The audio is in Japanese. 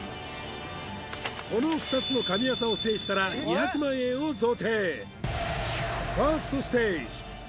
この２つの神業を制したら２００万円を贈呈